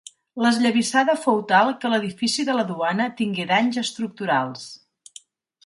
L'esllavissada fou tal que l'edifici de la duana tingué danys estructurals.